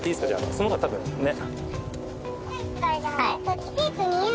その方が多分ね。